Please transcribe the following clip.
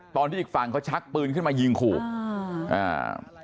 ตอนที่อีกฝั่งเขาชักปืนขึ้นมายิงขู่อืมอ่า